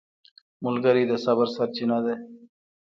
ملګری د صبر سرچینه ده